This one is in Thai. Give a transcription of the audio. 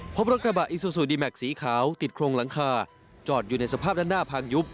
พบรถกระบะอิซูซูดีแม็กซีขาวติดโครงหลังคาจอดอยู่ในสภาพด้านหน้าพังยุบ